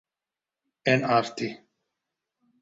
ئێن ئاڕ تی